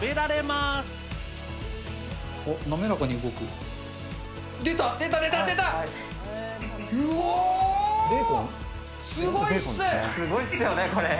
すごいっすよね、これ。